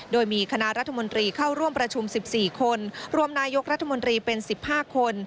โดยมีคณะรัฐมนตรีเข้าร่วมประชุม๑๔คนรวมนายกรัฐมนตรีเป็น๑๕คน